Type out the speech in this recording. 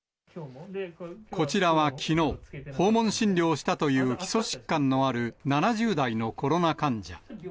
こちらはきのう、訪問診療したという、基礎疾患のある７０代のコロナ患者。